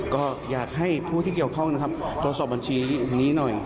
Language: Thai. ก็อยากให้ผู้ที่เกี่ยวข้องนะครับตรวจสอบบัญชีนี้หน่อย